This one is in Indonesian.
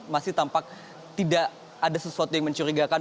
masih tampak tidak ada sesuatu yang mencurigakan